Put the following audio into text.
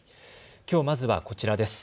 きょう、まずはこちらです。